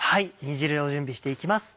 煮汁を準備して行きます。